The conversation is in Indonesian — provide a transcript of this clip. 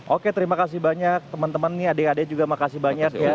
oke terima kasih banyak teman teman nih adik adik juga makasih banyak ya